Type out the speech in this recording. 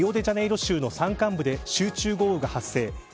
２月にはリオデジャネイロ州の山間部で集中豪雨が発生。